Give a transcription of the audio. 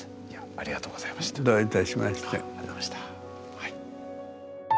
ありがとうございましたはい。